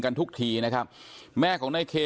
แม่โชคดีนะไม่ถึงตายนะ